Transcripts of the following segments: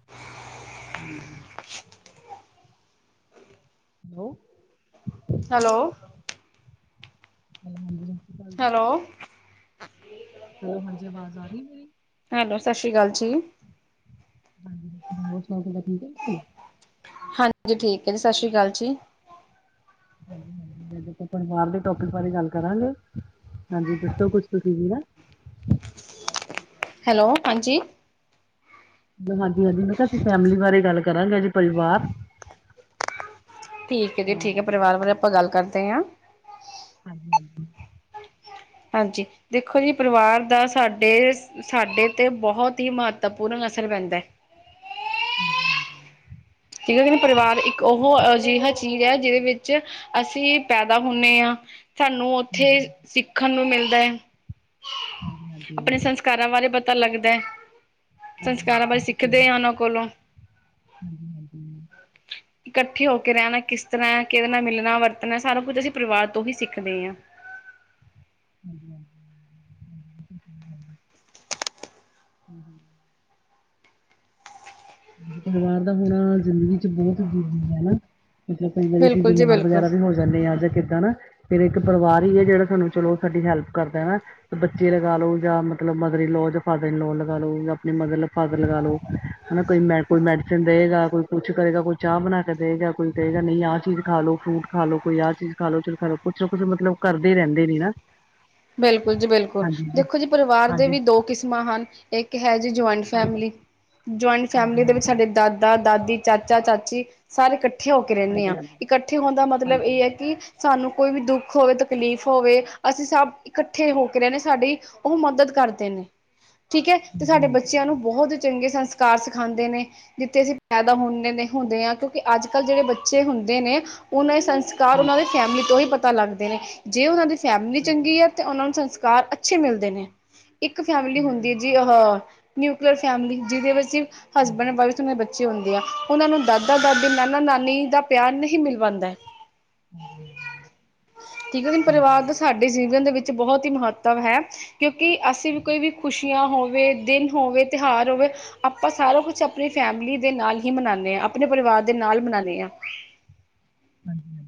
[unintelligible] [unintelligible] Hello hello ਹਾਂਜੀ ਸਤਿ ਸ਼੍ਰੀ ਅਕਾਲ ਜੀ ਹੈਲੋ ਹੈਲੋ ਹਾਂਜੀ ਆਵਾਜ਼ ਆ ਰਹੀ ਹੈ ਮੇਰੀ ਹੈਲੋ ਸਤਿ ਸ਼੍ਰੀ ਅਕਾਲ ਜੀ ਹੋਰ ਸਭ ਗੱਲਾਂ ਠੀਕ ਹੈ। ਹਾਂਜੀ ਠੀਕ ਹੈ ਜੀ ਸਤਿ ਸ਼੍ਰੀ ਅਕਾਲ ਜੀ ਹਾਂਜੀ ਹਾਂਜੀ ਪਰਿਵਾਰ ਦੇ ਟੋਪਿਕ ਬਾਰੇ ਗੱਲ ਕਰਾਂਗੇ ਹਾਂਜੀ ਦੱਸੋ ਕੁਛ ਤੁਸੀਂ ਵੀ ਨਾ ਹੈਲੋ ਹਾਂਜੀ ਹਾਂਜੀ ਹਾਂਜੀ ਮੈਂ ਕਿਹਾ ਅਸੀਂ ਫੈਮਿਲੀ ਬਾਰੇ ਗੱਲ ਕਰਾਂਗੇ ਜੀ ਪਰਿਵਾਰ ਠੀਕ ਹੈ ਜੀ ਹਾਂ ਠੀਕ ਹੈ ਪਰਿਵਾਰ ਬਾਰੇ ਆਪਾਂ ਗੱਲ ਕਰਦੇ ਹਾਂ। ਹਾਂਜੀ [unintelligible] ਹਾਂਜੀ ਦੇਖੋ ਜੀ ਪਰਿਵਾਰ ਦਾ ਸਾਡੇ ਸਾਡੇ ਤੇ ਬਹੁਤ ਹੀ ਮਹੱਤਵਪੂਰਨ ਅਸਰ ਪੈਂਦਾ ਹੈ। [unintelligible] [unintelligible] ਪਰਿਵਾਰ ਇੱਕ ਉਹ ਅਜਿਹਾ ਚੀਜ਼ ਹੈ ਜਿਹਦੇ ਵਿੱਚ ਅਸੀਂ ਪੈਦਾ ਹੁੰਦੇ ਹਾਂ। ਸਾਨੂੰ ਉੱਥੇ ਹਾਂਜੀ ਹਾਂਜੀ ਸਿੱਖਣ ਨੂੰ ਮਿਲਦਾ ਹੈ ਹਾਂਜੀ ਹਾਂਜੀ ਆਪਣੇ ਹਾਂਜੀ ਹਾਂਜੀ ਸੰਸ ਸੰਸਕਾਰਾਂ ਬਾਰੇ ਪਤਾ ਲੱਗਦਾ ਹੈ ਸੰਸਕਾਰਾਂ ਬਾਰੇ ਹਾਂਜੀ ਸਿੱਖਦੇ ਆ ਉਹਨਾਂ ਕੋਲੋ ਹਾਂਜੀ ਹਾਂਜੀ ਇਕੱਠੇ ਹੋ ਕੇ ਰਹਿਣਾ ਕਿਸ ਤਰ੍ਹਾਂ ਕਿਹਦੇ ਨਾਲ ਮਿਲਣਾ ਵਰਤਣਾ ਸਾਰਾ ਕੁੱਝ ਅਸੀਂ ਪਰਿਵਾਰ ਤੋਂ ਹੀ ਸਿੱਖਦੇ ਹਾਂ ਹਮ [unintelligible] ਹੰਮ ਹੰਮ ਪਰਿਵਾਰ ਦਾ ਹੋਣਾ ਜ਼ਿੰਦਗੀ ਚ ਬਹੁਤ ਜ਼ਰੂਰੀ ਹੈ ਨਾ ਮਤਲਬ ਕਈ ਵਾਰੀ ਅਸੀਂ ਬਿਲਕੁਲ ਜੀ ਬਿਮਾਰ ਬਿਲਕੁਲ ਵਗੈਰਾ ਵੀ ਹੋ ਜਾਂਦੇ ਹਾਂ ਜਾਂ ਕਿੱਦਾਂ ਨਾ ਫੇਰ ਇੱਕ ਪਰਿਵਾਰ ਹੀ ਜਿਹੜਾ ਸਾਨੂੰ ਚਲੋ ਸਾਡੀ ਹੈਲਪ ਕਰਦਾ ਹਨਾ ਬੱਚੇ ਲਗਾ ਲਓ ਜਾਂ ਮਤਲਬ ਮਦਰ ਇਨ ਲਾ ਜਾਂ ਫਾਦਰ ਇਨ ਲਾਵ ਲਗਾ ਲਓ ਆਪਣੇ ਮਦਰ ਲ ਫਾਦਰ ਲਗਾ ਲਓ ਹਨਾ ਕੋਈ ਮੈ ਕੋਈ ਮੈਡੀਸਨ ਦੇਵੇਗਾ ਕੋਈ ਕੁਛ ਕਰੇਗਾ ਕੋਈ ਚਾਹ ਬਣਾ ਕੇ ਦੇਵੇਗਾ ਕੋਈ ਕਹੇਗਾ ਨਹੀਂ ਆਹ ਚੀਜ਼ ਖਾ ਲਉ ਫਰੂਟ ਖਾ ਲਓ ਕੋਈ ਆਹ ਚੀਜ਼ ਖਾ ਲੋ ਚ ਖਾ ਲ ਲੋ ਕੁਛ ਨਾ ਕੁਛ ਮਤਲਬ ਕਰਦੇ ਹੀ ਰਹਿੰਦੇ ਨੇ ਨਾ ਬਿਲਕੁਲ ਜੀ ਬਿਲਕੁਲ ਦੇਖੋ ਜੀ ਪਰਿਵਾਰ ਦੇ ਹਾਂਜੀ ਵੀ ਦੋ ਕਿਸਮਾਂ ਹਨ ਇੱਕ ਹੈ ਜੀ ਜੁਆਇੰਟ ਹਾਂਜੀ ਫੈਮਿਲੀ ਜੁਆਇੰਟ ਹਾਂਜੀ ਹਾਂਜੀ ਫੈਮਿਲੀ ਦੇ ਵਿੱਚ ਹਾਂਜੀ ਸਾਡੇ ਦਾਦਾ ਦਾਦੀ ਚਾਚਾ ਚਾਚੀ ਸਾਰੇ ਕੱਠੇ ਇਕੱਠੇ ਹੋ ਕੇ ਰਹਿੰਦੇ ਹਾਂ ਹਾਂਜੀ ਇਕੱਠੇ ਹੋਣ ਦਾ ਮਤਲਬ ਹਾਂਜੀ ਹਾਂਜੀ ਇਹ ਹੈ ਕਿ ਸਾਨੂੰ ਕੋਈ ਵੀ ਦੁੱਖ ਹੋਵੇ ਤਕਲੀਫ਼ ਹੋਵੇ ਅਸੀਂ ਸਭ ਇਕੱਠੇ ਹੋ ਕੇ ਰਹੇ ਨੇ ਸਾਡੀ ਉਹ ਮਦਦ ਕਰਦੇ ਨੇ ਠੀਕ ਹੈ ਤੇ ਸਾਡੇ ਹਾਂਜੀ ਬੱਚਿਆਂ ਨੂੰ ਬਹੁਤ ਚੰਗੇ ਸੰਸਕਾਰ ਸਿਖਾਉਂਦੇ ਨੇ ਜਿੱਥੇ ਅਸੀਂ ਪੈਦਾ ਹੁੰਦੇ ਹੁੰਦੇ ਹ ਕਿਉਂਕਿ ਅੱਜ ਕੱਲ੍ਹ ਜਿਹੜੇ ਬੱਚੇ ਹੁੰਦੇ ਨੇ ਉਹਨਾਂ ਸੰਸ ਕਾਰ ਉਹਨਾਂ ਹਾਂਜੀ ਦੇ ਫੈਮਿਲੀ ਤੋਂ ਹੀ ਪਤਾ ਲੱਗਦੇ ਨੇ ਜੇ ਉਹਨਾਂ ਦੀ ਫੈਮਿਲੀ ਹਾਂਜੀ, ਚੰਗੀ ਹੈ ਤੇ ਉਹਨਾਂ ਨੂੰ ਸੰਸਕਾਰ ਅੱਛੇ ਮਿਲਦੇ ਨੇ ਇੱਕ ਫੈਮਿਲੀ ਹਾਂਜੀ, ਹੁੰਦੀ ਜੀ ਹਾਂਜੀ, ਅਹ ਨਿਊਕਲੀਅਰ ਫੈਮਿਲੀ ਜਿਹਦੇ ਵਿੱਚ ਹਸਬੈਂਡ ਵਾਈਫ ਤੇ ਬੱਚੇ ਬੱਚੇ ਹੁੰਦੀ ਆ ਉਹਨਾਂ ਨੂੰ ਦਾਦਾ ਦਾਦੀ ਨਾਨਾ ਨਾਨੀ ਦਾ ਪਿਆਰ ਨਹੀਂ ਮਿਲ ਪਾਉਂਦਾ ਠੀਕ ਹੈ ਜੀ ਪਰਿਵਾਰ ਦਾ ਹਾਂਜੀ ਸਾਡੇ ਜੀਵਨ ਦੇ ਵਿੱਚ ਬਹੁਤ ਹੀ ਮਹੱਤਵ ਹੈ ਕਿਉਂਕਿ ਅਸੀਂ ਵੀ ਕੋਈ ਵੀ ਖੁਸ਼ੀਆਂ ਹੋਵੇ ਦਿਨ ਹੋਵੇ ਤਿਉਹਾਰ ਹੋਵੇ ਆਪਾਂ ਸਾਰਾ ਕੁਛ ਆਪਣੀ ਫੈਮਿਲੀ ਦੇ ਨਾਲ ਹੀ ਮਨਾਉਂਦੇ ਹਾਂ ਆਪਣੇ ਪਰਿਵਾਰ ਦੇ ਨਾਲ ਮਨਾਉਂਦੇ ਹਾਂ ਹਾਂਜੀ ਹਾਂ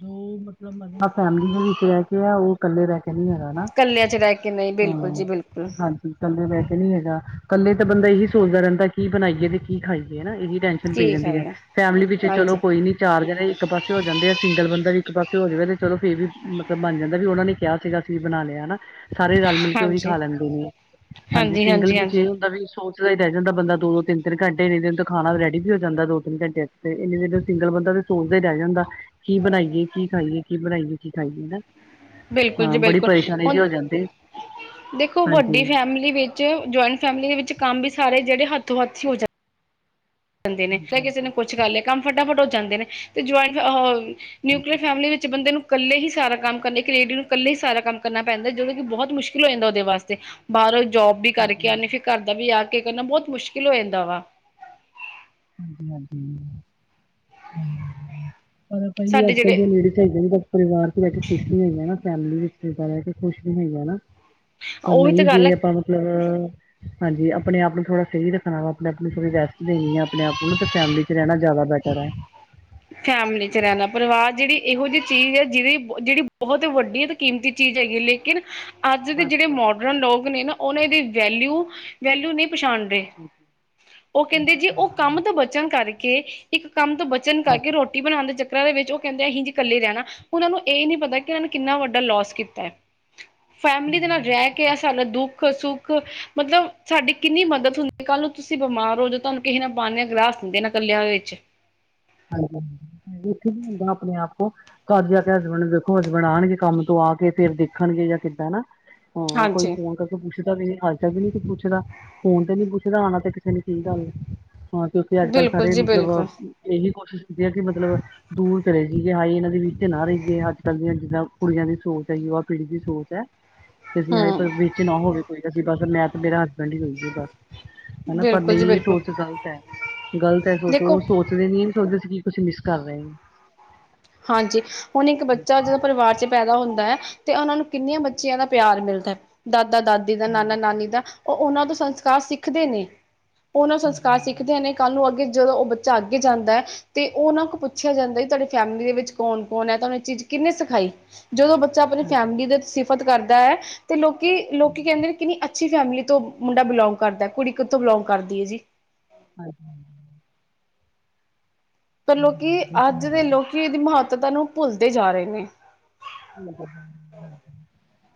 ਜੋ ਮਤਲਬ ਫੈਮਲੀ ਦੇ ਵਿੱਚ ਰਹਿ ਕੇ ਆ ਉਹ ਕੱਲੇ ਰਹਿ ਕੇ ਨੀ ਹੈਗਾ ਨਾ ਕੱਲਿਆਂ ਚ ਰਹਿ ਕੇ ਨਹੀਂ ਬਿਲਕੁਲ ਜੀ ਬਿਲਕੁਲ ਇਕੱਲੇ ਵੈਸੇ ਨੀ ਹੈਗਾ ਇਕੱਲੇ ਤਾਂ ਬੰਦਾ ਇਹੀ ਸੋਚਦਾ ਰਹਿੰਦਾ ਕੀ ਬਣਾਈਏ ਤੇ ਕੀ ਖਾਈਏ ਹਨਾ ਇਹੀ ਟੈਨਸ਼ਨ ਪਈ ਠੀਕ ਰਹਿੰਦੀ ਹੈ ਵੀਰ ਫੈਮਿਲੀ ਵਿੱਚ ਚਲੋ ਹਾਂਜੀ ਤਿਨ ਚਾਰ ਜਣੇ ਇੱਕ ਪਾਸੇ ਹੋ ਜਾਂਦੇ ਆ ਸਿੰਗਲ ਬੰਦਾ ਵੀ ਇੱਕ ਪਾਸੇ ਹੋ ਜਾਵੇ ਤੇ ਚਲੋ ਫੇਰ ਵੀ ਮਤਲਬ ਬਣ ਜਾਂਦਾ ਵੀ ਉਹਨਾਂ ਨੇ ਕਿਹਾ ਸੀਗਾ ਅਸੀਂ ਵੀ ਬਣਾ ਲਿਆ ਹਨਾ ਸਾਰੇ ਰਲ ਮਿਲ ਕੇ ਉਹੀ ਹਾਂਜੀ ਖਾ ਲੈਂਦੇ ਨੇ ਹਾਂਜੀ ਸਿੰਗਲ ਵਿੱਚ ਇਹ ਹੁੰਦਾ ਵੀ ਸੋਚ ਰਹਿ ਜਾਂਦਾ ਬੰਦਾ ਦੋ ਦੋ ਤਿੰਨ ਤਿੰਨ ਘੰਟੇ ਇਨੇ ਦੇਰ ਤੱਕ ਖਾਣਾ ਰੈਡੀ ਵੀ ਹੋ ਜਾਂਦਾ ਦੋ ਤਿੰਨ ਘੰਟੇ ਤੇ ਇਨੀ ਦੇਰ ਸਿੰਗਲ ਬੰਦਾ ਤੇ ਸੋਚਦਾ ਹੀ ਰਹਿ ਜਾਂਦਾ ਕੀ ਬਣਾਈਏ ਕੀ ਖਾਈਏ ਕੀ ਬਣਾਈਏ ਕੀ ਖਾਈਏ ਹਨਾ ਬਿਲਕੁਲ ਜੀ ਬਿਲਕੁਲ ਹੁਣ ਜਾਂਦੀ ਦੇਖੋ ਵੱਡੀ ਹਾਂਜੀ। ਫੈਮਿਲੀ ਵਿੱਚ ਜੁਆਇੰਟ ਫੈਮਿਲੀ ਦੇ ਵਿੱਚ ਕੰਮ ਵੀ ਸਾਰੇ ਜਿਹੜੇ ਹੱਥੋਂ ਹੱਥ ਹੀ ਹੋ ਜਾਂ ਜਾਂਦੇ ਨੇ ਫ ਕਿਸੇ ਹਾਂਜੀ-ਹਾਂਜੀ, ਨੇ ਕੁਛ ਕਰ ਲਿਆ ਕੰਮ ਫਟਾਫਟ ਹੋ ਜਾਂਦੇ ਨੇ ਤੇ ਜੁਆਇੰਟ ਹਾਂਜੀ, ਨਿਊਕਲੀਅਰ ਫੈਮਲੀ ਵਿੱਚ ਬੰਦੇ ਨੂੰ ਇਕੱਲੇ ਹੀ ਸਾਰਾ ਕੰਮ ਕਰਨਾ ਇੱਕ ਰੇਡੀਓ ਨੂੰ ਇਕੱਲੇ ਹੀ ਸਾਰਾ ਕੰਮ ਕਰਨਾ ਪੈਂਦਾ ਜਦੋਂ ਕਿ ਬਹੁਤ ਮੁਸ਼ਕਿਲ ਹੋ ਜਾਂਦਾ ਉਹਦੇ ਵਾਸਤੇ ਬਾਹਰੋਂ ਜੋਬ ਵੀ ਕਰਕੇ ਹਾਂਜੀ-ਹਾਂਜੀ, ਆਉਂਣੀ ਫਿਰ ਘਰ ਦਾ ਵੀ ਆ ਕੇ ਕਰਨਾ ਬਹੁਤ ਮੁਸ਼ਕਿਲ ਹੋ ਜਾਂਦਾ ਵਾ ਹਾਂਜੀ ਹਾਂਜੀ ਹ ਪਰ ਪਈ ਨ ਸਾਡੇ ਅੱਜ ਕੱਲ ਜਿਹੜੇ ਦੀਆਂ ਲੇਡੀਜ਼ ਬਸ ਪਰਿਵਾਰ ਚ ਬਹਿ ਕੇ ਖੁਸ਼ ਨੀ ਹੈਗਾ ਫੈਮਲੀ ਵਿੱਚ ਬਹਿ ਕੇ ਖੁਸ਼ ਨੀ ਹੈਗਾਾ ਪਰ ਉਹੀ ਤਾਂ ਨਹੀਂ ਜੇ ਗੱਲ ਹੈ ਆਪਾਂ ਨੂੰ ਮਤਲਬ ਹਾਂਜੀ ਆਪਣੇ ਆਪ ਨੂੰ ਥੋੜ੍ਹਾ ਸਹੀ ਰੱਖਣਾ ਵਾ ਆਪਣੇ ਆਪ ਨੂੰ ਥੋੜ੍ਹੀ ਰੈਸਟ ਦੇਣੀ ਆ ਆਪਣੇ-ਆਪ ਨੂੰ, ਤੇ ਫੈਮਿਲੀ'ਚ ਰਹਿਣਾ ਜ਼ਿਆਦਾ ਬੈਟਰ ਐ। ਫੈਮਿਲੀ'ਚ ਰਹਿਣਾ, ਪਰਿਵਾਰ ਜਿਹੜੀ ਇਹੋ ਜਿਹੀ ਚੀਜ਼ ਏ ਜਿਹਦੀ, ਜਿਹੜੀ ਬਹੁਤ ਵੱਡੀ ਕੀਮਤੀ ਚੀਜ਼ ਹੈਗੀ ਆ, ਲੇਕਿਨ ਅੱਜ ਦੇ ਜਿਹੜੇ ਬਸ ਮੋਡਰਨ ਲੋਕ ਨੇ ਨਾ, ਉਹਨਾਂ ਦੇ ਵੈਲਿਊ, ਵੈਲਿਊ ਨਹੀਂ ਪਛਾਣਦੇ। ਉਹ ਕਹਿੰਦੇ ਜੀ, ਉਹ ਕੰਮ ਤੋਂ ਬਚਨ ਕਰਕੇ ਇੱਕ ਕੰਮ ਤੋਂ ਬਚਨ ਕਰਕੇ ਰੋ ਰੋਟੀ ਬਣਾਣ ਦੇ ਚੱਕਰਾਂ ਦੇ ਵਿੱਚ, ਉਹ ਕਹਿੰਦੇ ਆ ਅਹੀ ਜੀ ਕੱਲੇ ਰਹਿਣਾ। ਉਹਨਾਂ ਨੂੰ ਇਹ ਨੀ ਪਤਾ, ਕਿ ਇਹਨਾਂ ਨੇ ਕਿੰਨਾ ਵੱਡਾ ਲੌਸ ਕੀਤੈ। ਫੈਮਿਲੀ ਦੇ ਨਾਲ ਰਹਿਕੇ, ਆ ਸਾਨਾ ਦੁੱਖ ਦੁਖ-ਸੁੱਖ, ਮਤਲਬ ਸਾਡੀ ਕਿੰਨੀ ਮਦਦ ਹੁੰਦੀ ਕੱਲ ਨੂੰ ਤੁਸੀਂ ਬਿਮਾਰ ਹੋਜੋ, ਤੁਹਾਨੂੰ ਕਿਹੇ ਨੇ ਪਾਣੀ ਦਾ ਗਲਾਸ ਨਹੀਂ ਦੇਣਾ, ਕੱਲਿਆਂ ਦੇ ਵਿੱਚ। ਹਾਂਜੀ-ਹਾਂ, ਦੁਖ ਵੀ ਹੁੰਦਾ ਆਪਣੇ-ਆਪ ਕੋ। ਘਰ ਜਾਕੇ ਹਸਬੈਂਡ ਵੇਖੋ, ਹਸਬੈਂਡ ਆਣਗੇ ਕੰਮ ਤੋਂ ਆਕੇ ਫੇਰ ਦੇਖਣਗੇ ਯਾ ਕਿੱਦਾਂ ਹਨਾ। ਹਾਂ, ਕੋਈ ਹਾਂਜੀ ਫੋਨ ਕਰ ਪੁੱਛਦਾ ਵੀ ਨੀ, ਹਾਲ-ਚਾਲ ਵੀ ਨੀ ਪੁੱਛਦਾ ਫੋਨ ਤੇ ਨੀ ਪੁੱਛਦਾ, ਆਣਾ ਤੇ ਕਿਸੇ ਨੇ ਕੀ ਗੱਲ ਏ। ਹਾਂ, ਕਿਉਂਕਿ ਅੱਜ-ਕੱਲ ਬਿਲਕੁਲ ਸਾਰੇ, ਜੀ ਬਿਲਕੁਲ ਮਤਲਬ ਇਹੀ ਕੋਸ਼ਿਸ਼ ਕੀਤੀ ਹੈ ਕਿ ਮਤਲਬ ਦੂਰ ਚਲੇ ਜਾਈਏ, ਹਾਏ ਇਹਨਾਂ ਦੇ ਵਿੱਚ ਨਾ ਰਹੀਏ ਅੱਜ-ਕੱਲ ਦੀਆਂ ਜਿੱਦਾਂ ਕੁੜੀਆਂ ਦੀ ਸੋਚ ਹੈ ਯੁਵਾ ਪੀੜੀ ਦੀ ਸੋਚ ਐ। ਤੇ ਅਸੀਂ ਹਾਏ ਪਰ ਹੂੰ ਵਿੱਚ ਨਾ ਹੋਵੇ ਕੋਈ, ਅਸੀਂ ਬਸ ਮੈਂ ਤੇ ਮੇਰਾ ਹਸਬੈਂਡ ਹੀ ਹੋਈਏ, ਬਸ। ਹਨਾ, ਪਰ ਬਿਲਕੁਲ ਜੀ ਨਹੀਂ ਇਹ ਬਿਲਕੁਲ ਸੋਚ ਗ਼ਲਤ ਐ, ਗ਼ਲਤ ਐ ਸੋਚ ਉਹ ਦੇਖੋ ਸੋਚ ਨਹੀਂ ਸੋਚਦੇ ਸੀ, ਤੁਸੀਂ ਕੀ ਮਿਸ ਕਰ ਰਹੇ ਓ। ਹਾਂਜੀ, ਹੁਣ ਇੱਕ ਬੱਚਾ ਜਦੋ ਪਰਿਵਾਰ'ਚ ਪੈਦਾ ਹੁੰਦਾ, ਤੇ ਉਹਨਾਂ ਨੂੰ ਕਿੰਨੀਆਂ ਬੱਚਿਆਂ ਦਾ ਪਿਆਰ ਮਿਲਦੈ, ਦਾਦਾ-ਦਾਦੀ ਦਾ, ਹਾਂਜੀ-ਹਾਂਜੀ, ਨਾਨਾ-ਨਾਨੀ ਦਾ ਉਹ, ਉਹਨਾਂ ਤੋਂ ਸੰਸਕਾਰ ਸਿੱਖਦੇ ਨੇ ਉਹਨਾਂ ਸੰਸਕਾਰ ਸਿੱਖਦੇ ਨੇ। ਕੱਲ੍ਹ ਨੂੰ ਅੱਗੇ ਜਦੋਂ ਉਹ ਬੱਚਾ ਅੱਗੇ ਜਾਂਦਾ ਐ, ਤੇ ਉਹਨਾਂ ਕੋਲ ਪੁੱਛਿਆ ਜਾਂਦਾ ਤੁਹਾਡੇ ਫੈਮਲੀ ਦੇ ਵਿੱਚ ਕੌਣ-ਕੌਣ ਐ, ਤਾਂਹਨੁ ਇਹ ਚੀਜ਼ ਕਿੰਨੇ ਸਿਖਾਈ, ਜਦੋਂ ਬੱਚਾ ਆਪਣੀ ਫੈਮਿਲੀ ਦੇ ਫਤ ਕਰਦਾ, ਤੇ ਲੋਕੀ, ਲੋਕੀ ਕਹਿੰਦੇ ਨੇ ਕਿੰਨੀ ਅੱ ਅੱਛੀ ਫੈਮਿਲੀ ਤੋਂ ਮੁੰਡਾ ਬਿਲੋਂਗ ਕਰਦਾ, ਕੁੜੀ ਕਿੱਥੋਂ ਬਿਲੋਂਗ ਕਰਦੀ ਏ ਜੀ। ਹਾਂਜੀ ਪਰ ਲੋਕੀ, ਇਹ ਤਾਂ ਅੱਜ ਹੈ ਦੇ ਹੀ ਹੈ। ਲੋਕੀ ਇਹਦੀ ਮਹੱਤਤਾ ਨੂੰ ਭੁੱਲਦੇ ਜਾ ਰਹੇ ਨੇ।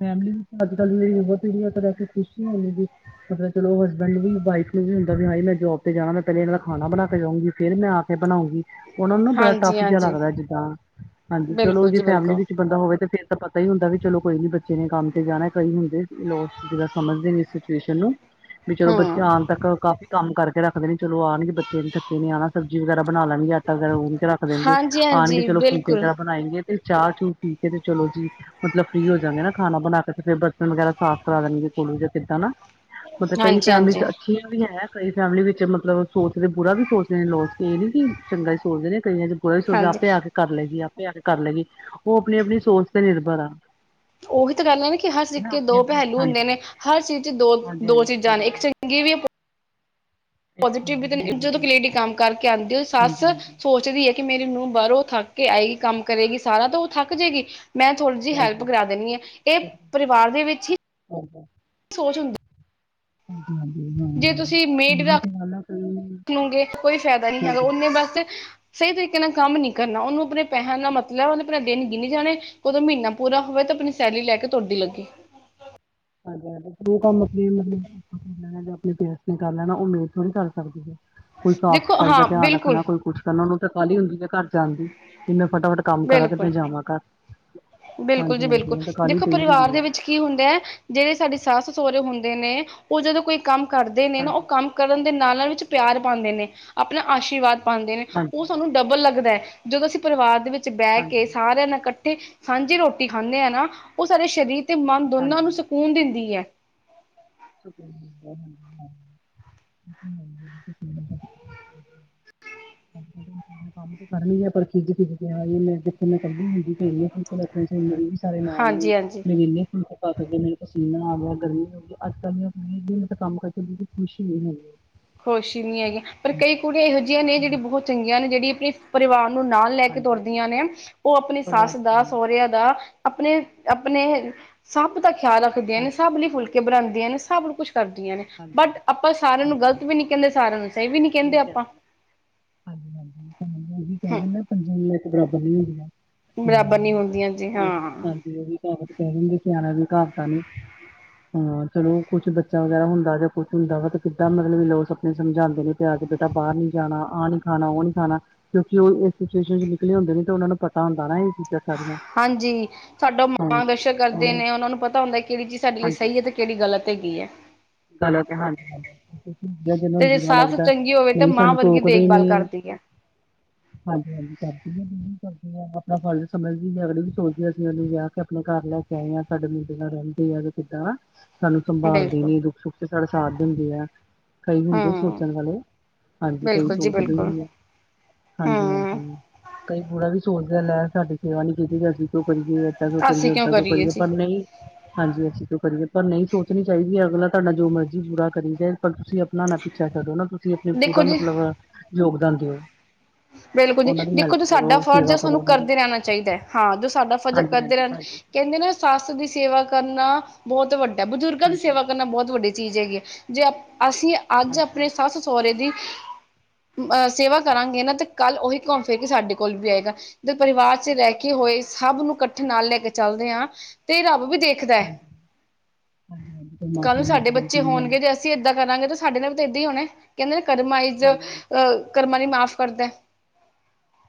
ਫੈਮਲੀ ਨੁੰ ਤਾ ਅੱਜ-ਕੱਲ ਮੇਰੀ ਬਹੁਤ ਵਰੀਆ ਤਾਂ ਰਹਿਕੇ ਖੁਸ਼ੀ ਹੈ ਵੀ ਮਤਲਬ ਚਲੋ ਹਸਬੈਂਡ ਵੀ ਵਾਈਫ ਨੂੰ ਵੀ ਹੁੰਦਾ ਵੀ, ਹਾਏ ਮੈਂ ਜੋਬ ਤੇ ਜਾਣਾ ''ਮੈਂ ਪਹਿਲੇ ਇਹਨਾਂ ਨਾਲ ਖਾਣਾ ਬਣਾਕੇ ਜਾਊਂਗੀ, ਫਿਰਰ ਮੈਂ ਆਕੇ ਬਣਾਉੰਗੀ, ਉਹਨਾਂ ਨੂੰ ਬੜਾ ਹਾਂਜੀ ਟਫ ਜਿਹਾ ਹਾਂਜੀ। ਲੱਗਦਾ ਜਿੱਦਾਂ ਹਾਂਜੀ, ਚਲੋ ਬਿਲਕੁਲ ਉਹ ਜੀ ਫੈਮਿਲੀ ਬਿਲਕੁਲ ਵੀ ਬੰਦਾ ਹੋਵੇ ਤੇ ਫੇਰ ਤਾਂ ਪਤਾ ਹੀ ਹੁੰਦਾ ਵੀ ਚਲੋ ਕੋਈ ਨੀ ਬੱਚੇ ਨੇ ਕੰਮ ਤੇ ਜਾਣਾ, ਕਈ ਹੁੰਦੇ ਲੋ ਜਿਹੜਾ ਸਮਝਦੇ ਨੇ ਸਿਚੁਏਸ਼ਨ ਨੂੰ, ਵੀ ਚਲੋ ਬੱਚੇ ਹਮ ਆਣ ਤੱਕ ਕਾਫੀ ਕੰਮ ਕਰਕੇ ਰੱਖਦੇ ਨੇ, ਚਲੋ ਆਣਗੇ ਬੱਚੇ ਨੇ ਥੱਕੇ ਨੇ ਆਣਾ, ਸਬਜ਼ੀ ਵਗੈਰਾ ਬਣਾ ਲੈਣਗੇ, ਆਟਾ ਵਗੈਰਾ ਰੱਖ ਦੇਣਗੇ, ਹਾਂਜੀ ਆਣਗੇ ਹਾਂਜੀ ਚਲੋ ਫੁਲਕੇ ਬਿਲਕੁਲ ਵਗੈਰਾ ਬਣਾਏਂਗੇ, ਤੇ ਚਾਹ-ਚੂ ਪੀਕੇ ਤੇ ਚਲੋ ਜੀ ਮਤਲਬ ਫ੍ਰੀ ਹੋ ਜਾਂਗੇ, ਨਾ ਖਾਣਾ ਬਣਾਕੇ ਫਿਰ ਬਰਤਨ ਵਗੈਰਾ ਸਾਫ਼ ਕਰਾ ਦੇਣਗੇ, ਕੁੜੂ ਜਾਂ ਕਿੱਦਾਂ ਨਾ ਮਤਲਬ ਕਈ ਹਾਂਜੀ ਫੈਮਲੀਜ਼ ਹਾਂਜੀ ਅੱਛੀਆਂ ਵੀ ਹੈ, ਕਈ ਫੈਮਿਲੀ ਵਿੱਚ ਮਤਲਬ ਸੋਚਦੇ ਬੁਰਾ ਵੀ ਸੋਚਦੇ ਨੇ ਲੌਜ, ਇਹ ਨੀ ਕੀ ਚੰਗਾ ਈ ਸੋਚਦੇ ਨੇ, ਕਈਆਂ'ਚ ਬੁਰਾ ਵੀ ਸੋਚਦੇ, ਹਾਂਜੀ ਆਪੇ ਆਕੇ ਕਰਲੇਗੀ, ਆਪੇ ਆਕੇ ਕਰਲੇਗੀ। ਉਹ ਅਪਣੀ-ਅਪਣੀ ਸੋਚ ਤੇ, ਨਿਰਭਰ ਆ। ਉਹੀ ਤਾਂ ਗੱਲ ਏ ਨੇ, ਕਿ ਹਰ ਨਾ ਸਿੱਕੇ ਆਪਣੇ ਦੋ ਪਹਿਲੂ ਹੁੰਦੇ ਹਾਂਜੀ ਨੇ। ਹਰ ਚੀਜ਼'ਚ ਦੋ, ਹਾਂਜੀ ਦੋ ਹਾਂਜੀ ਚੀਜ਼ਾਂ ਨੇ, ਇੱਕ ਚੰਗੀ ਵੀ [inaudible] ਇੱਕ ਚੰਗੀ ਤੇ ਮਾੜੀ ਜਦੋਂ ਵੀ ਕਿ ਲੇਡੀ ਕੰਮ ਕਰਕੇ ਆਂਦੀ, ਓਹਦੀ ਸੱਸ ਸੋਚ ਹਾਂਜੀ-ਹਾਂਜੀ, ਸੋਚਦੀ ਹੈ ਕਿ ਮੇਰੇ ਨੂੰਹ ਬਾਹਰੋਂ ਉਹ ਥੱਕ ਕੇ ਆਏਗੀ, ਕੰਮ ਕਰੇਗੀ ਸਾਰਾ ਤਾਂ ਉਹ ਥੱਕ ਜੇਗੀ। ਮੈਂ ਥੋੜ੍ਹੀ ਜਿਹੀ ਹਾਂਜੀ-ਹਾਂਜੀ, ਹੈਲਪ ਕਰਾ ਦਿੰਨੀ ਆ, ਇਹ ਪਰਿਵਾਰ ਦੇ ਵਿੱਚ ਹੀ ਹਾਂਜੀ, ਸੋਚ ਹੁੰਦੀ। ਹਾਂਜੀ-ਹਾਂਜੀ ਹਾਂ, ਜੇ ਤੁਸੀਂ ਮੇਡ ਇਹੀ ਰੱਖ ਤੇ ਗੱਲ ਆ ਕਈ ਹਾਂਜੀ, ਲਓਗੇ ਕੋਈ ਫਾਇਦਾ ਨਹੀ ਹੈਗਾ ਉਹਨੇ ਬਸ ਸਹ ਸਹੀ ਤਰੀਕੇ ਨਾਲ ਕੰਮ ਨੀ ਕਰਨਾ ਉਹਨੂੰ ਆਪਣੇ ਪੈਸਿਆਂ ਦਾ ਮਤਲਬ ਉਹ ਆਪਣਾ ਦਿਨ ਗਿਨੀ ਜਾਣੇ ਉਹਦਾ ਮਹੀਨਾ ਪੂਰਾ ਹੋਵੇ ਤੇ ਆਪਣੀ ਸੈਲਰੀ ਲੈ ਕੇ ਤੁਰਦੀ ਲੱਗੇ ਹਾਂਜੀ ਹਾਂਜੀਉਹ ਕੰਮ ਆਪਣੇ ਮਤਲਬ ਮਸ਼ੀਨਾਂ ਨੇ ਜਾਂ ਆਪਣੇ ਬੇਸ ਤੇ ਕਰ ਲੈਣਾ ਉਹ ਮੇਰਡ ਥੋੜ੍ਹੀ ਕਰ ਸਕਦੀ ਹੈ ਕੋਈ ਸਾਫ਼ ਦੇਖੋ ਸਫ਼ਾਈ ਦਾ ਹਾਂ ਧਿਆਨ ਬਿਲਕੁਲ ਰੱਖਣਾ ਕੋਈ ਕੁਛ ਕਰਨਾ ਉਹਨੂੰ ਤਾਂ ਕਾਹਲੀ ਹੁੰਦੀ ਆਪਣੇ ਘਰ ਜਾਣ ਦੀ ਕਿ ਮੈਂ ਫਟਾਫਟ ਕੰਮ ਕਰਾ ਤੇ ਮੈਂ ਬਿਲਕੁਲ ਜਾਵਾਂ ਘਰ ਬਿਲਕੁਲ ਹਾਂਜੀ ਜੀ ਹਾਂਜੀ ਬਿਲਕੁਲ ਉਹਨੂੰ ਤਾਂ ਕਾਹਲੀ ਦੇਖੋ ਪਈ ਪਰਿਵਾਰ ਹੁੰਦੀ ਦੇ ਹੈ ਵਿੱਚ ਕੀ ਹੁੰਦਾ ਹੈ ਜਿਹੜੇ ਸਾਡੇ ਸੱਸ ਸਹੁਰੇ ਹੁੰਦੇ ਨੇ ਉਹ ਜਦੋਂ ਕੋਈ ਕੰਮ ਕਰਦੇ ਨੇ ਨਾ ਉਹ ਹਾਂਜੀ। ਕੰਮ ਕਰਨ ਦੇ ਨਾਲ ਨਾਲ ਵਿੱਚ ਪਿਆਰ ਪਾਉਂਦੇ ਨੇ ਆਪਣਾ ਆਸ਼ੀਰਵਾਦ ਪਾਉਂਦੇ ਨੇ ਉਹ ਹਾਂਜੀ, ਸਾਨੂੰ ਡਬਲ ਲੱਗਦਾ ਹੈ ਜਦੋਂ ਅਸੀਂ ਪਰਿਵਾਰ ਦੇ ਵਿੱਚ ਬਹਿ ਕੇ ਸਾਰਿਆਂ ਨਾਲ ਕੱਠ ਇਕੱਠੇ ਸਾਂਝੀ ਰੋਟੀ ਖਾਂਦੇ ਆ ਨਾ ਉਹ ਸਾਡੇ ਸਰੀਰ ਤੇ ਮਨ ਦੋਨਾਂ ਨੂੰ ਹਾਂਜੀ, ਸਕੂਨ ਦਿੰਦੀ ਹੈ ਸਕੂਨ [unintelligible] ਹਾਂਜੀ ਕੰਮ ਤੇ ਕਰ ਲਈਏ ਪਰ ਕਿਜ ਮ [unintelligible] ਜਥੇੈਂ ਕੱੀ ਹੁੰਦੀ ਸਾਰੇ ਨਾਲ ਨੇ ਹਾਂਜੀ ਹਾਂਜੀ ਮੇਰੇ ਇੰਨੇ ਫਲਕ ਪਕਗੇ ਮੇਰਾ ਪਸੀਨਾ ਆ ਗਿਆ ਗਰਮੀ [unintelligible] ਅੱਜ ਕੱਲ ਦੀਆਂ ਕੁੜੀਆ ਦਿਲ ਤੋਂ ਕੰਮ ਕਰਕੇ ਖੁਸ਼ੀ ਨਹੀਂ ਹੈਗੀ। ਖੁਸ਼ ਨਹੀਂ ਹੈਗੀਆਂ ਪਰ ਹਾਂਜੀ ਕਈ ਕੁੜੀਆਂ ਇਹੋ ਜਿਹੀਆਂ ਨੇ ਜਿਹੜੀ ਬਹੁਤ ਚੰਗੀਆਂ ਨੇ ਜਿਹੜੀ ਆਪਣੀ ਪਰਿਵਾਰ ਨੂੰ ਨਾਲ ਲੈ ਕੇ ਹਾਂਜੀ ਤੁਰਦੀਆਂ ਨੇ ਉਹ ਆਪਣੀ ਪਰਿਵਾਰ ਸੱਸ ਦੇ ਦਾ ਨਾਲ ਲੈ ਕੇ ਸਹੁਰਿਆਂ ਚੱਲਦੀ ਦਾ ਹਾਂ। ਆਪਣੇ ਆਪਣੇ ਸਭ ਦਾ ਖਿਆਲ ਰੱਖਦੀਆਂ ਨੇ ਹਾਂਜੀ ਸਭ ਲਈ ਫੁਲ ਕੇ ਬਣਾਉਂਦੀਆਂ ਨੇ ਸਭ ਕੁਛ ਕਰਦੀਆਂ ਨੇ ਹਾਂਜੀ ਬਟ ਆਪਾਂ ਸਾਰਿਆਂ ਨੂੰ ਹਾਂਜੀ ਗ਼ਲਤ। ਗਲਤ ਵੀ ਹਾਂਜੀ ਨੀ ਕਹਿੰਦੇ ਸਾਰਿਆਂ ਨੂੰ ਸਹੀ ਵੀ ਨੀ ਕਹਿੰਦੇ ਨਹੀਂ ਕਹਿ ਆਪਾਂ ਸਕਦੇ ਹਾਂਜੀ ਤੁਹਾਨੂੰ ਉਹੀ ਕਹਿ ਹਮ। ਦਿੰਦਾ ਹਾਂਜੀ ਇੱਕ ਬਰਾਬਰ ਨੀ ਹੁੰਦੀਆਂ ਬਰਾਬਰ ਨੀ ਹੁੰਦੀਆਂ ਜੀ ਹਮ ਹਾਂ ਹਾਂਜੀ ਉਹੀ ਤਾਂ। ਕਹਿ ਦਿੰਦੇ ਸਿਆਣਾ ਵੀ ਹ ਕਵਤਾ ਕਾਨੂੰ ਹਾਂ ਚਲੋ ਕੁਛ ਬੱਚਾ ਵਗੈਰਾ ਹੁੰਦਾ। ਜਦੋਂ ਕੁੱਛ ਹੁੰਦਾ ਵਾ ਤੇ ਕਿੱਦਾਂ ਮਤਲਬ ਵੀ ਲੋਕ ਆਪਣੇ ਸਮਝਾਉਦੇ ਨੇ ਵੀ ਆ ਕੇ ਬਾਹਰ ਨੀ ਜਾਣਾ ਆਹ ਨੀ ਖਾਣਾ ਉਹ ਨੀ ਖਾਣਾ। ਕਿਉਂਕਿ ਉਹ ਇਸ ਸਿਚੁਏਸ਼ਨ 'ਚ ਨਿਕਲੇ ਹੁੰਦੇ ਨੇ ਤੇ ਉਹਨਾਂ ਨੂੰ ਪਤਾ ਹੁੰਦਾ ਨਾ ਇਹ ਚੀਜ਼ਾਂ ਸਾਰੀਆਂ। ਹਾਂਜੀ ਸਾਡਾ ਹਾਂ ਮਾਰਗਦਰਸ਼ਕ ਕਰਦੇ ਇਹ ਨੇ ਉਹਨਾਂ ਨੂੰ ਪਤਾ ਹੁੰਦਾ ਕਿਹੜੀ ਚੀਜ਼ ਸਾਡੇ ਲਈ ਸਹੀ ਹੈ ਤੇ ਕਿਹੜੀ ਗਲਤ ਹੈਗੀ ਐ। ਗੱਲਤ ਹਾਂਜੀ ਹਜੀ ਜਿੰਨਾ ਤੇ ਨੂੰ ਜੇ ਬੁਰਾ ਸੱਸ ਲੱਗਦਾ ਚੰਗੀ ਹੋਵੇ ਤੇ ਨਹੀਂ ਮਾਂ ਸਾਨੂੰ ਵਰਗੀ ਟੋਕਦੇ ਨੇ। ਦੇਖਭਾਲ ਕਰਦੀ ਹੈ [inaudible] ਹਾਂਜੀ ਹਾਂਜੀ ਕਰਦੀ ਜਰੂਰ ਕਰਦੀ ਆਪਣਾ ਫ਼ਰਜ਼ ਸਮਝਦੀ ਅਗਲੀ ਵੀ ਸੋਚਦੇ ਹਾਂ ਸੀ ਉਹਨੇ ਕਿਹਾ ਆਪਣੇ ਘਰ ਲੈ ਕੇ ਆਏ ਆ ਸਾਡੇ ਮੁੰਡੇ ਨਾਲ ਰਹਿੰਦੀ ਆ ਕਿ ਕਿੱਦਾਂ ਵ ਸਾਨੂੰ ਸੰਭਾਲਦੀ ਬਿਲਕੁਲ ਨੀ ਦੁੱਖ ਸੁੱਖ ਤੇ ਸਾਡਾ ਸਾਥ ਦਿੰਦੀ ਐ। ਕਈ ਹੁੰਦੇ ਹਮ ਸੋਚਣ ਵਾਲੇ ਹਾਂਜੀ ਕਈ ਬਿਲਕੁਲ ਜੀ ਸੋਚਦੇ ਬਿਲਕੁਲ ਨਹੀਂ ਹੈ। ਹਾਂਜੀ ਹੂੰ ਹਾਂਜੀ ਕਈ ਬੂੜਰਾ ਵੀ ਸੋਚਦੇ ਲੈ ਸਾਡੀ ਸੇਵਾ ਨੀ ਕੀਤੀ ਅਸੀਂ ਕਿਉੰ ਕਰੀਏ। ਏਦਾਂ ਕਿਉਂ ਕਰੀਏ ਉੱਦਾਂ ਕਿਉਂ ਕਰੀਏ ਪਰ ਨਹੀਂ ਹਾਂਜੀ ਅਸੀਂ ਕਿਉਂ ਕਰੀਏ ਪਰ ਨਹੀਂ ਸੋਚਣੀ ਚਾਹੀਦੀ ਅਗਲਾ। ਤੁਹਾਡਾ ਜੋ ਮਰਜ਼ੀ ਬੁਰਾ ਕਰੀ ਜਾਏ ਪਰ ਤੁਸੀਂ ਆਪਣਾ ਨਾ ਪਿੱਛਾ ਕਰੋ ਨਾ ਤੁਸੀਂ ਆਪਣੇ ਦੇਖੋ ਪੂਰਾ ਜੀ ਮਤਲਬ ਯੋਗਦਾਨ ਦਿਓ। ਬਿਲਕੁਲ ਜੀ ਉਹਨਾਂ ਦੀ ਹੈਲਪ ਦੇਖੋ ਜੋ ਸਾਡਾ ਕਰੋ, ਫਰਜ਼ ਸੇਵਾ ਹੈ ਕਰੋ ਸਾਨੂੰ ਉਹਨਾਂ ਦੀ, ਕਰਦੇ ਰਹਿਣਾ ਚਾਹੀਦਾ ਹੈ ਹਾਂ ਜੋ ਸਾਡਾ ਫਰਜ਼ ਕਰਦੇ ਹਾਂਜੀ-ਹਾਂਜੀ, ਰਹਿਣ। ਹਾਂਜੀ, ਕਹਿੰਦੇ ਨੇ ਸਸ ਦੀ ਸੇਵਾ ਕਰਨਾ ਬਹੁਤ ਵੱਡਾ ਬਜ਼ੁਰਗਾਂ ਦੀ ਹਾਂਜੀ। ਸੇਵਾ ਕਰਨਾ ਬਹੁਤ ਵੱਡੀ ਚੀਜ਼ ਹੈਗੀ ਹੈ ਜੇ ਅ ਅਸੀਂ ਅੱਜ ਹਾਂਜੀ, ਆਪਣੀ ਹਾਂਜੀ, ਸੱਸ ਸਹੁਰੇ ਦੀ ਅਹ ਸੇਵਾ ਕਰਾਂਗੇ ਤੇ ਕੱਲ ਉਹੀ ਘੁੰਮ ਫਿਰ ਕੇ ਸਾਡੇ ਕੋਲ ਵੀ ਆਏਗਾ। ਦੇ ਪਰਿਵਾਰ 'ਚ ਰਹਿ ਕੇ ਹੋਏ ਸਭ ਨੂੰ ਇਕੱਠੇ ਨਾਲ ਲੈ ਕੇ ਚਲਦੇ ਹਾਂ ਤੇ ਰੱਬ ਵੀ ਦੇਖ ਕੀਹਦਾ ਹਾਂਜੀ-ਹਾਂਜੀ ਕੱਲ ਨੂੰ ਪਰਮਾਤਮਾ ਸਾਡੇ ਮਿਲਦਾ ਬੱਚੇ ਸਹੀ ਗੱਲ ਹੋਣਗੇ ਜੇ ਅ। ਅਸੀਂ ਇੱਦਾਂ ਕਰਾਂਗੇ ਤਾਂ ਸਾਡੇ ਨਾਲ ਵੀ ਤਾਂ ਇੱਦਾਂ ਹੀ ਹੋਣਾ ਕਹਿੰਦੇ ਨੇ ਕਰਮਾਹ ਜੋ ਹਾਂਜੀ-ਹਾਂਜੀ। ਕਰਮਾਂ ਲਈ ਮਾਫ਼ ਕਰਦਾ।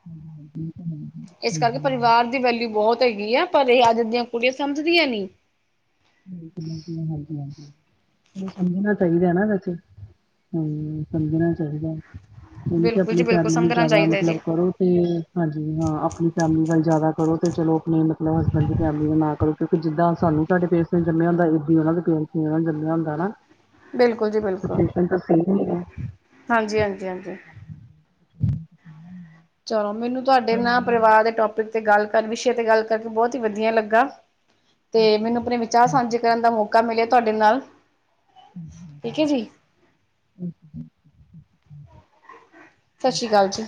ਹਾਂਜੀ ਹਾਂਜੀ ਬਿਲਕੁਲ ਜੀ ਇਸ ਕਰਕੇ ਪਰਿਵਾਰ ਦੀ ਵੈਲਿਊ ਬਹੁਤ ਹੈਗੀ ਆ ਪਰ ਇਹ ਅੱਜ ਦੀਆਂ ਕੁੜੀਆਂ ਸਮਝਦੀਆਂ ਨੀ। [inaudible] ਸਮਝਣਾ ਚਾਈਦਾ ਨਾ ਵੈਸੇ ਹੂੰ ਸਮਝਣਾ ਚਾਈਦਾ। ਠੀਕ ਐ ਬਿਲਕੁਲ ਠੀਕ ਜੀ ਐ ਬਿਲਕੁਲ ਫੈਮਲੀ ਨੂੰ ਸਮਝਣਾ ਜਾਦਾ ਚਾਹੀਦਾ ਮਤਲਬ ਜੀ ਕਰੋ ਤੇ ਹਾਂਜੀ ਹਾਂ ਆਪਣੀ ਫੈਮੇਲੀ ਨਾਲ ਜਾਦਾ ਕਰੋ ਤੇ ਚਲੋ ਆਪਣੇ ਮਤਲਬ ਹਸਬੈਂਡ ਦੀ ਫੈਮੇਲੀ ਦਾ ਨਾ ਕਰੋ। ਕਿਉਂਕਿ ਜਿੱਦਾਂ ਸਾਨੂੰ ਸਾਡੇ ਪੇਂਰਸ ਨੇ ਜੰਮੇਆ ਹੁੰਦ ਏ ਓਨਾਂ ਦੇ ਪੇਰਸ ਜੰਮੇਆ ਹੁੰਦਾ ਹਨਾ। ਬੇਲਕੁਲ ਜੀ ਬੇਲਕੁਲ ਸੇਮ ਹਾਂਜੀ-ਹਾਂਜੀ-ਹਾਂਜੀ। ਚਲੋ ਮੈਨੂੰ ਤੁਆਡੇ ਨਾ ਪਰਿਵਾਰ ਦੇ ਟੋਪਿਕ ਤੇ ਗੱਲ ਕਰ ਵਿਸ਼ੇ ਤੇ ਗੱਲ ਕਰਕੇ ਬੌਤ ਹੀ ਵਧੀਆ ਲੱਗਾ। ਤੇ ਹੀ ਮੈਨੂੰ ਆਪਣੇ ਵਿਚਾਰ ਸਾਂਝੇ ਕਰਨ ਦਾ ਮੌਕਾ ਮਿਲੇਆ ਧਾਡੇ ਨਾਲ। ਠੀਕ ਐ ਜੀ? ਹੈ। ਸਾਛੀ ਕਾਲ ਜੀ।